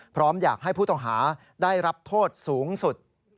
พร้อมอยากให้ผู้ต้องหาได้รับโทษสูงสุด